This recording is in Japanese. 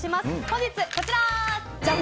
本日はこちら！